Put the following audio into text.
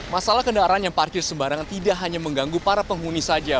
masalah kendaraan yang parkir sembarangan tidak hanya mengganggu para penghuni saja